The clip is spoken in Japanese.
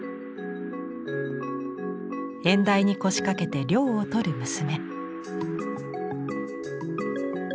縁台に腰かけて涼をとる娘。